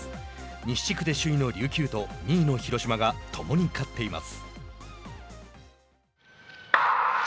西地区で首位の琉球と２位の広島が共に勝っています。